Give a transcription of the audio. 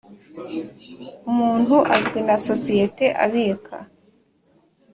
umuntu azwi na sosiyete abika -